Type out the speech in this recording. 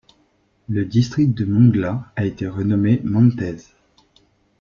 Le district de Muğla a été renommé Menteşe.